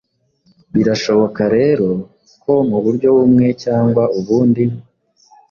Birashoboka rero ko mu buryo bumwe cyangwa ubundi